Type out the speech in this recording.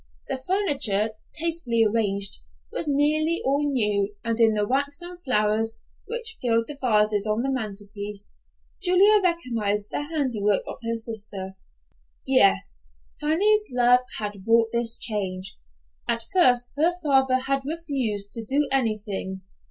The furniture, tastefully arranged, was nearly all new, and in the waxen flowers, which filled the vases on the mantelpiece, Julia recognized the handiwork of her sister. Yes, Fanny's love had wrought this change. At first her father had refused to do anything.